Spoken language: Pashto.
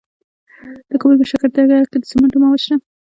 د کابل په شکردره کې د سمنټو مواد شته.